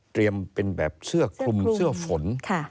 เป็นแบบเสื้อคลุมเสื้อฝน